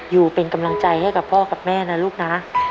อยู่เป็นกำลังใจให้กับพ่อกับแม่นะลูกนะ